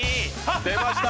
出ました！